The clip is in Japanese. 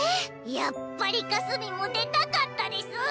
やっぱりかすみんも出たかったですぅ！